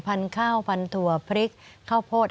พันธุ์ข้าวพันถั่วพริกข้าวโพด